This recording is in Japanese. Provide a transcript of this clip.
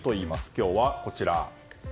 今日は、こちら。